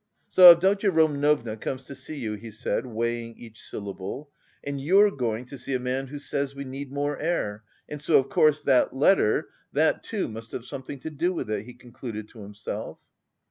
"So Avdotya Romanovna comes to see you," he said, weighing each syllable, "and you're going to see a man who says we need more air, and so of course that letter... that too must have something to do with it," he concluded to himself.